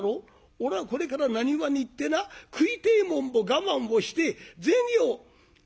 おらこれから浪速に行ってな食いてえもんも我慢をして銭をな？